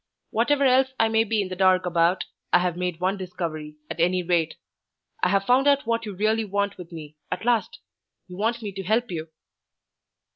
Whatever else I may be in the dark about, I have made one discovery, at any rate. I have found out what you really want with me at last! You want me to help you."